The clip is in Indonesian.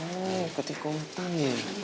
oh ketikutan ya